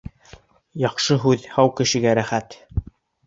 Яҡшы һүҙ һау кешегә рәхәт